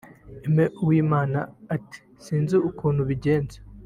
Aime Uwimana ati 'Sinzi ukuntu ubigenza